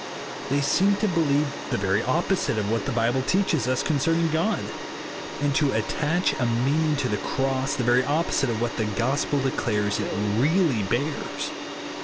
They seem to believe the very opposite of what the Bible teaches us concerning God ; and to attach a meaning to the Cross, the very opposite of what the gospel declares it really bears.